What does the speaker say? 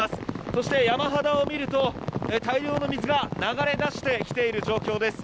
そして山肌を見ると大量の水が流れ出してきている状況です。